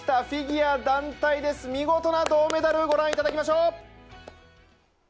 フィギュア団体です、見事な銅メダル、御覧いただきましょう。